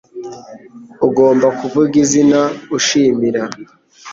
ugomba kuvuga izina ushimira